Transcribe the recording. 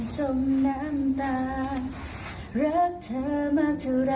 เจอกันมาหา